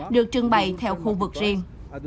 được trưng bày theo khu vực riêng